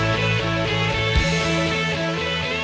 ไฟเบอร์